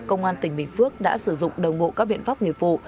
công an tỉnh bình phước đã sử dụng đồng hộ các viện pháp nghiệp vụ